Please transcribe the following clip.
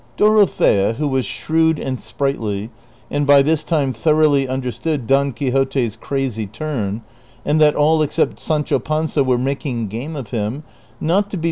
Dorothea, who was shrewd and sprightly, and by this time thoroughly understood Don Quixote's crazy turn, and that all except Sancho Panza were making game of him, not to be